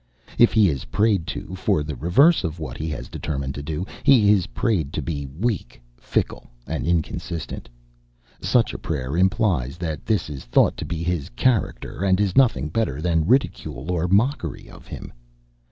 If he is prayed to for the reverse of what he has determined to do, he is prayed to be weak, fickle, and inconstant; such a prayer implies that this is thought to be his character, and is nothing better than ridicule or mockery of him.